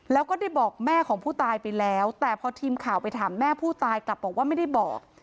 แล้วก็ได้บอกแม่ของผู้ตายไปแล้วแต่พอทีมข่าวไปถามแม่ผู้ตายกลับบอกว่าไม่ได้บอก